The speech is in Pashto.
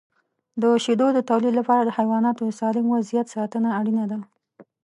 د شیدو د تولید لپاره د حیواناتو د سالم وضعیت ساتنه اړینه ده.